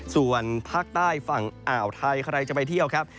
ส่วนภาคใต้ฝั่งอ่าวไทยใครจะไปเที่ยวครับ